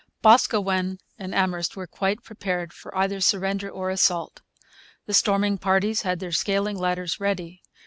Boscawen and Amherst were quite prepared for either surrender or assault. The storming parties had their scaling ladders ready.